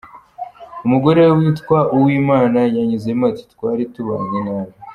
Umugore we witwa Uwimana yunzemo ati "twari tubanye nabi.